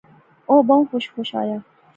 او بہوں خوش خوش آیا